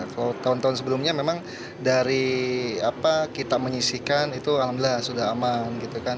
kalau tahun tahun sebelumnya memang dari kita menyisikan itu alhamdulillah sudah aman gitu kan